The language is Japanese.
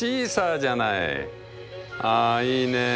あいいね。